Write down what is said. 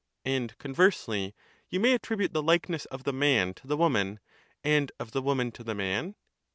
And conversely you may attribute the likeness of the man to the woman, and of the woman to the man?